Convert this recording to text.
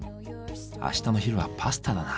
あしたの昼はパスタだな。